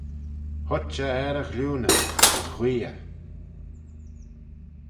Huit eh er e ghlioonyn, as ghuee eh.